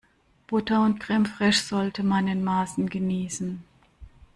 Butter und Creme fraiche sollte man in Maßen genießen.